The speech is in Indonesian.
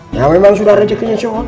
ya memang sudah rezekinya semua